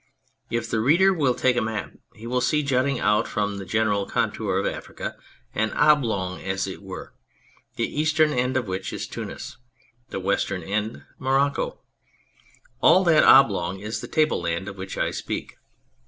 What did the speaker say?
If the reader will take a map he will see jutting out from the general contour of Africa, an oblong as it were, the eastern end of which is Tunis, the western end Morocco. All that oblong is the tableland of which I speak.